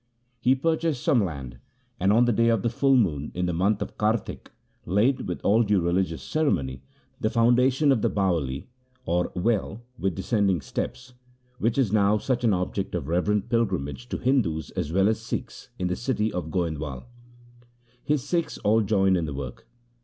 He purchased some land, and on the day of the full moon in the month of Kartik laid with all due religious ceremony the foundation of the Bawali, or well with descending steps, which is now such an object of reverent pilgrimage to Hindus as well as Sikhs in the city of Goindwal. His Sikhs all joined in the work.